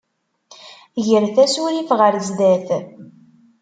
Gret asurif ɣer sdat.